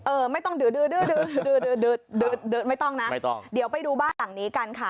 เออไม่ต้องเดี๋ยวไปดูบ้านหลังนี้กันค่ะ